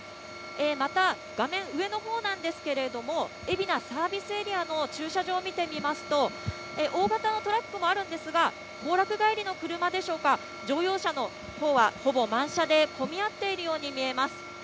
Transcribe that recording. また、画面上のほうなんですけれども、海老名サービスエリアの駐車場を見てみますと、大型のトラックもあるんですが、行楽帰りの車でしょうか、乗用車のほうはほぼ満車で、混み合っているように見えます。